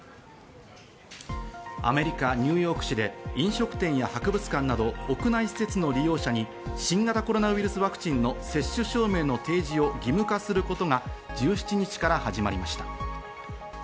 アメリカ・ニューヨーク市で飲食店や博物館など屋内施設の利用者に新型コロナウイルスワクチンの接種証明の提示を義務化することが１７日から始まりました。